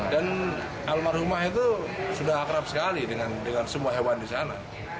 dan almarhumah itu sudah akrab sekali dengan semua hewan di sana